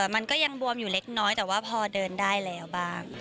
มันก็ยังบวมอยู่เล็กน้อยแต่ว่าพอเดินได้แล้วบ้าง